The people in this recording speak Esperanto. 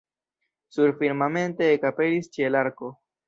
Surfirmamente ekaperis ĉielarko.